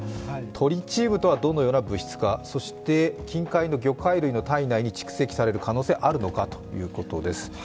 トリチウムとはどのような物質なのか、それから近海の魚介類に蓄積される可能性はあるのかということです。